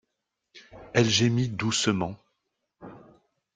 Elle gémit doucement.